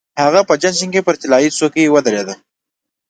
هغه په جشن کې پر طلايي څوکۍ ودرېد.